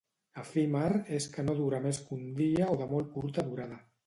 Efímer és que no dura més que un dia o de molt curta durada